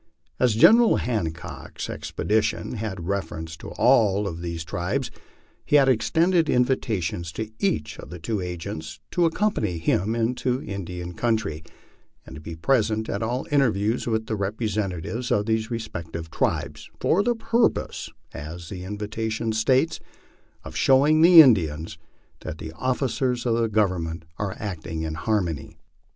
As General Hancock's expedition had reference to all of these tribes, he had extended invitations to each of the two agents to accompany him into the In dian country, and be present at all interviews with the representatives of these respective tribes, for the purpose, as the invitation states, of showing the In dians "that the officers of the Government are acting in harmony."